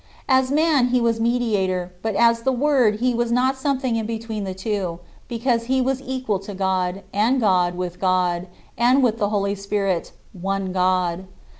As man he was Mediator, but as the Word he was not something in between the two; because he was equal to God, and God with God, and, with the Holy Spirit, one God.